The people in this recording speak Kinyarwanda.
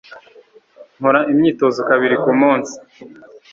nkora imyitozo kabiri ku munsi.